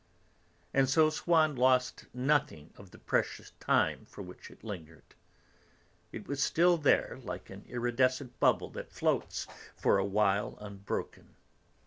And so Swann lost nothing of the precious time for which it lingered. It was still there, like an iridescent bubble that floats for a while unbroken.